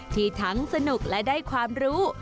ที่ทั้งสนุกและได้ความรู้